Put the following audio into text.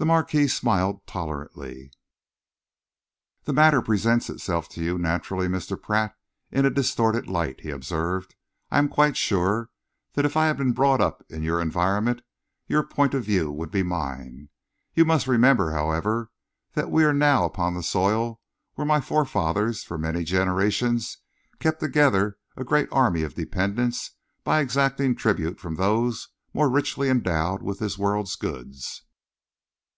The Marquis smiled tolerantly. "The matter presents itself to you, naturally, Mr. Pratt, in a distorted light," he observed. "I am quite sure that if I had been brought up in your environment, your point of view would be mine. You must remember, however, that we are now upon the soil where my forefathers for many generations kept together a great army of dependents by exacting tribute from those more richly endowed with this world's goods.